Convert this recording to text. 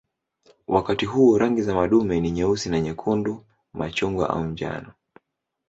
Wakati huo rangi za madume ni nyeusi na nyekundu, machungwa au njano.